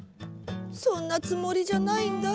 そんなつもりじゃないんだ。